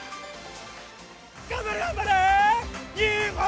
頑張れ、頑張れ！日本！